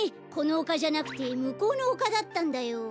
このおかじゃなくてむこうのおかだったんだよ。